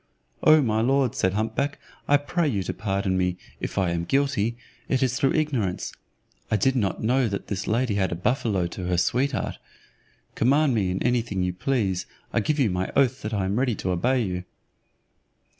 "O my lord," said hump back, "I pray you to pardon me, if I am guilty, it is through ignorance. I did not know that this lady had a buffalo to her sweetheart: command me in anything you please, I give you my oath that I am ready to obey you."